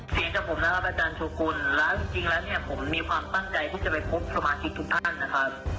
เสียงจากผมนะครับอาจารย์โชกุลแล้วจริงแล้วเนี่ยผมมีความตั้งใจที่จะไปพบสมาชิกทุกท่านนะครับ